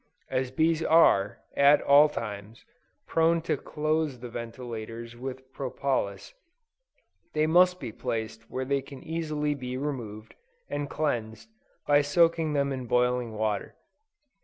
As bees are, at all times, prone to close the ventilators with propolis, they must be placed where they can easily be removed, and cleansed, by soaking them in boiling water.